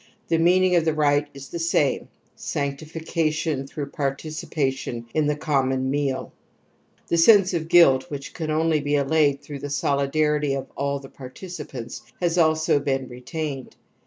The meaning of the rite is the same : /sanctification throiigh participation in the com mon meaT The sense of guilt, which can only \ be allayed through the solidarity of aU the par 1 \ tieipantS^ has also been retained.